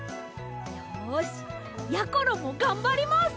よしやころもがんばります！